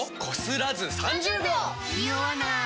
ニオわない！